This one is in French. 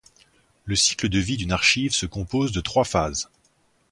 Le cycle de vie d’une archive se compose de trois phases.